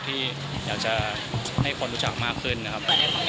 ที่อยากจะให้คนรู้จักมากขึ้นนะครับ